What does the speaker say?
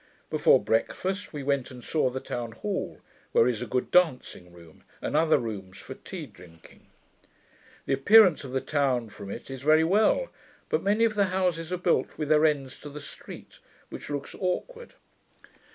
Before breakfast, we went and saw the town hall, where is a good dancing room, and other rooms for tea drinking. The appearance of the town from it is very well; but many of the houses are built with their ends to the street, which looks awkward.